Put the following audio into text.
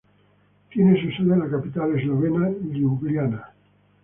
Tiene su sede en la capital eslovena, Liubliana.